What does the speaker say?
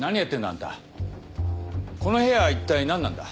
あんたこの部屋は一体何なんだ？